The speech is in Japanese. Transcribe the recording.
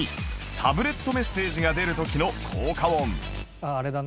タブレットメッセージが出る時の効果音